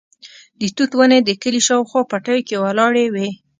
د توت ونې د کلي شاوخوا پټیو کې ولاړې وې.